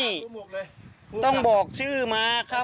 นี่ต้องบอกชื่อมาครับ